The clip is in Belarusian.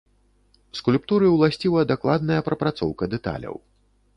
Скульптуры ўласціва дакладная прапрацоўка дэталяў.